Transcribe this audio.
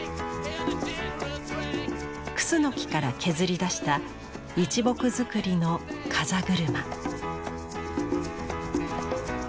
クスノキから削り出した一本造の風車。